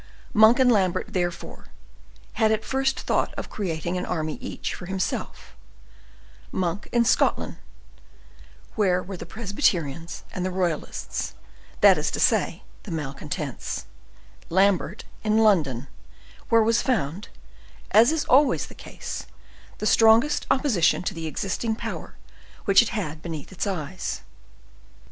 Monk and Lambert, therefore, had at first thought of creating an army each for himself: Monk in Scotland, where were the Presbyterians and the royalists, that is to say, the malcontents; Lambert in London, where was found, as is always the case, the strongest opposition to the existing power which it had beneath its eyes.